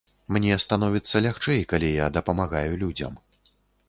Мне становіцца лягчэй, калі я дапамагаю людзям.